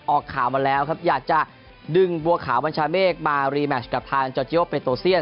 ออกข่าวมาแล้วครับอยากจะดึงบัวขาวบัญชาเมฆมารีแมชกับทางจอร์จิโอเปโตเซียน